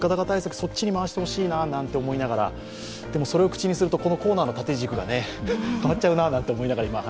そっちに回してほしいななんて思いながら、でもそれを口にするとこのコーナーの縦軸が変わっちゃうなと。